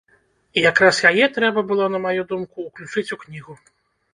І якраз яе трэба было, на маю думку, уключыць у кнігу.